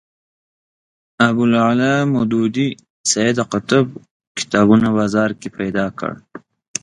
ابوالاعلی مودودي سید قطب کتابونو بازار پیدا کړ